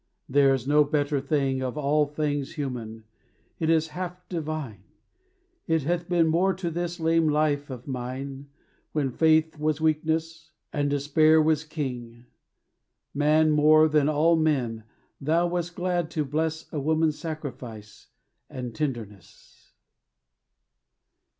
there is no better thing Of all things human; it is half divine; It hath been more to this lame life of mine, When faith was weakness, and despair was king. Man more than all men, Thou wast glad to bless A woman's sacrifice and tenderness.